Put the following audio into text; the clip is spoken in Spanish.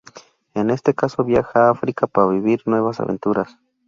En este caso viaja a África para vivir nuevas aventuras.